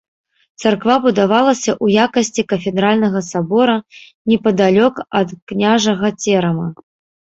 Царква будавалася ў якасці кафедральнага сабора непадалёк ад княжага церама.